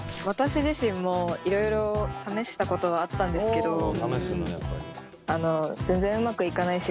私自身もいろいろ試したことはあったんですけど